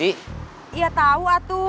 iya tahu atuh